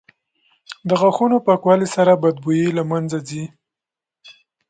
• د غاښونو پاکوالي سره بد بوی له منځه ځي.